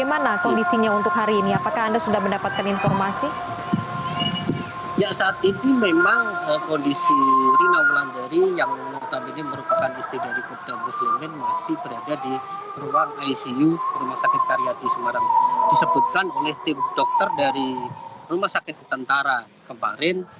icu rumah sakit karyat di semarang disebutkan oleh tim dokter dari rumah sakit tentara kemarin